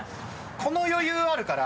この余裕あるから。